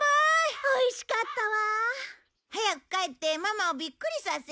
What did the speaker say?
早く帰ってママをびっくりさせよう。